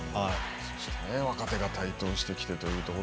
そして若手が台頭してきて。